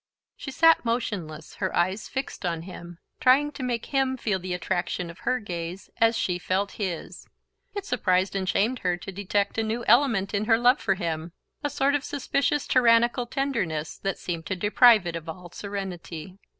She sat motionless, her eyes fixed on him, trying to make him feel the attraction of her gaze as she felt his. It surprised and shamed her to detect a new element in her love for him: a sort of suspicious tyrannical tenderness that seemed to deprive it of all serenity.